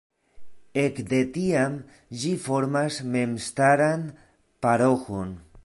Ek de tiam ĝi formas memstaran paroĥon.